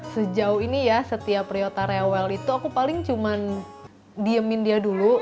sejauh ini ya setiap priota rewel itu aku paling cuman diemin dia dulu